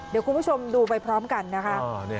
เดี๋ยวคุณผู้ชมดูไปพร้อมกันนะคะ